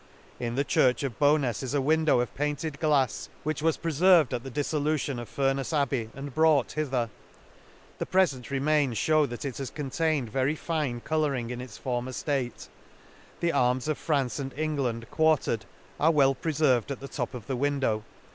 tn the church of Bownas is a window of the Lakes, 183 of painted glafs, which was preferved at the diflblution of Furnefs abbey, and brought hither; — the prefent remains fhew that it has contained very fine co louring in its former ftate ;— the arms of France and England quartered, are well preferved at the top of the window.